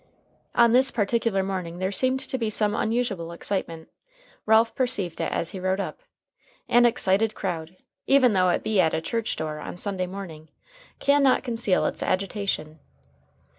On this particular morning there seemed to be some unusual excitement. Ralph perceived it as he rode up. An excited crowd, even though it be at a church door on Sunday morning, can not conceal its agitation.